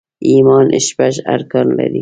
ايمان شپږ ارکان لري